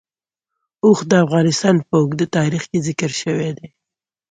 اوښ د افغانستان په اوږده تاریخ کې ذکر شوی دی.